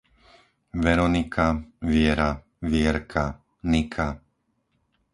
Veronika, Viera, Vierka, Nika